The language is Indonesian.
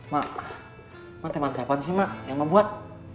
mak emak teh manis siapa sih yang emak buat